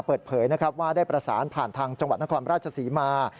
เปิดเผยนะครับว่าได้ประสานผ่านทางจังหวัดนครราชศรีมา